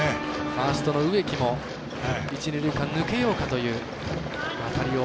ファーストの植木も一、二塁間抜けようかという当たりを。